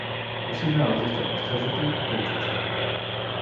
Musíme ale zostať ostražití a poučiť sa.